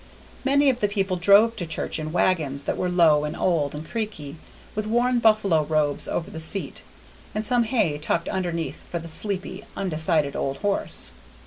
Many of the people drove to church in wagons that were low and old and creaky, with worn buffalo robes over the seat, and some hay tucked underneath for the sleepy, undecided old horse.